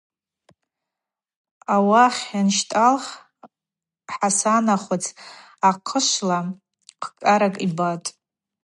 Ауахъ йанщтӏалх Хӏасанахвыц ахъышвла кӏкӏаракӏ йбатӏ.